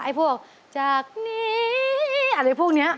พวกจากนี้อะไรพวกนี้